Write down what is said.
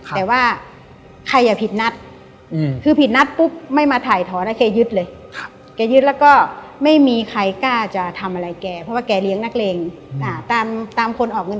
แต่ว่าใครอย่าผิดนัดจากนั้น